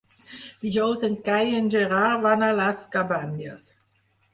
Dijous en Cai i en Gerard van a les Cabanyes.